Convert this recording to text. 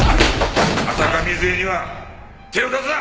浅香水絵には手を出すな！